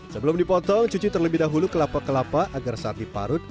sebelum dipotong cuci terlebih dahulu kelapa kelapa agar saat diparut